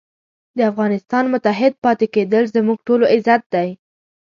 د افغانستان متحد پاتې کېدل زموږ ټولو عزت دی.